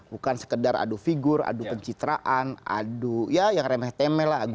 bukan sekedar adu figur adu pencitraan adu ya yang remeh temeh lah